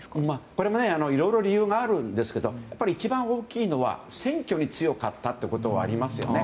これもいろいろ理由があるんですけどやっぱり一番大きいのは、選挙に強かったというのがありますね。